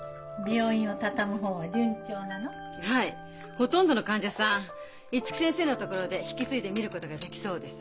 ほとんどの患者さん五木先生のところで引き継いで診ることができそうです。